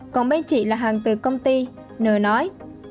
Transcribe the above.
còn bên chị là hàng từ công ty nơi nói